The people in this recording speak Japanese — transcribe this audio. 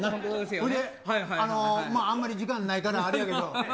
それで、あんまり時間ないからあれやけど。